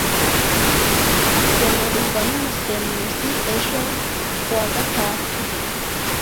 Asemurirwa n'umusemuzi ejo kuwa gatatu